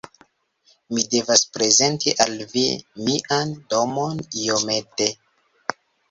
Mi devas prezenti al vi mian domon iomete.